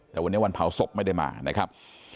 แต่วันนี้วันเผาศพไม่ได้มานะครับ